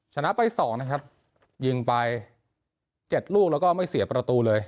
ชนะไป๒นะครับยิงไป๗ลูกแล้วก็ไม่เสียประตูเลย